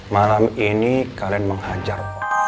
malam ini kalian menghajar